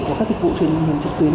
của các dịch vụ truyền hình trực tuyến